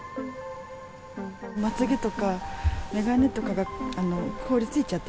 まつ毛とか眼鏡とかが凍りついちゃって。